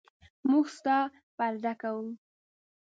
موږ ستا پرده کوو.